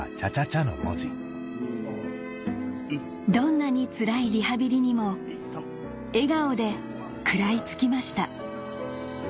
どんなにつらいリハビリにも笑顔で食らい付きました